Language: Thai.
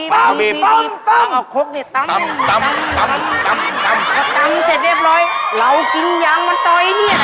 เราเอาข็กนี้ตั้มอย่างมะตอลเนี่ย